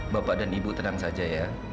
bapak dan ibu tenang saja ya